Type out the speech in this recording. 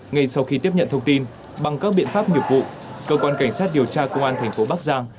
ngay sau khi tiếp nhận thông tin bằng các biện pháp nghiệp vụ cơ quan cảnh sát điều tra công an thành phố bắc giang